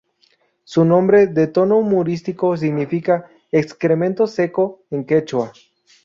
Su nombre ―de tono humorístico― significa "excremento seco" en quechua.